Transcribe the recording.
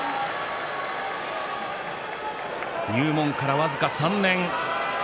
入門から僅か３年。